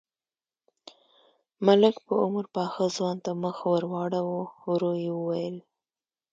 ملک په عمر پاخه ځوان ته مخ ور واړاوه، ورو يې وويل: